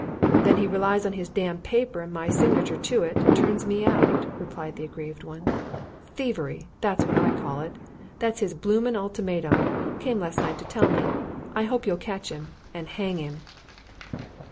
"Then he relies on his damn paper and my signature to it, and turns me out!" replied the aggrieved one. "Thievery! that's what I call it. That's his blooming ultimatum came in last night to tell me. I hope you'll catch him and hang him!"